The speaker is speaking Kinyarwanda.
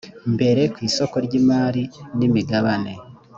mbere ku isoko ry imari n imigabane